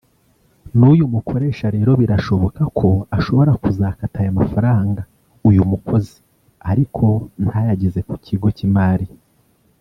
n’uyu mukoresha rero birashoboka ko ashobora kuzakata aya amafaranga uyu mukozi ariko ntayageze ku kigo cy’Imari